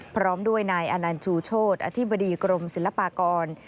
พร้อมด้วยนายอนันต์ชูโชธอธิบดีกรมศิลปากร